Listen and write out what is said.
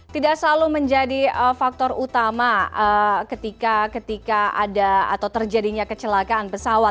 tidak selalu menjadi faktor utama ketika ada atau terjadinya kecelakaan pesawat